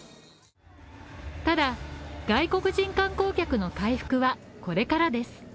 ただ、外国人観光客の回復はこれからです。